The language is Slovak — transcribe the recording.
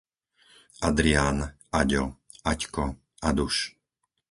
Adrián, Aďo, Aďko, Aduš